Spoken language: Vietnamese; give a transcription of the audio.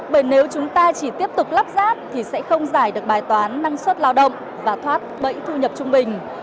bởi nếu chúng ta chỉ tiếp tục lắp ráp thì sẽ không giải được bài toán năng suất lao động và thoát bẫy thu nhập trung bình